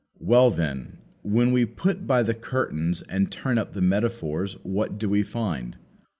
Well, then, when we put by the curtains and turn up the metaphors, what do we find?